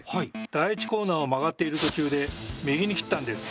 第１コーナーを曲がっている途中で右に切ったんです。